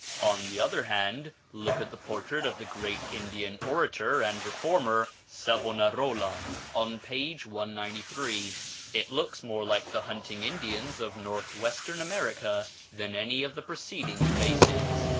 SHAWNEES. On the other hand, look at the portrait of the great Italian orator and reformer, Savonarola, on page 193. It looks more like the hunting Indians of North western America than any of the preceding faces.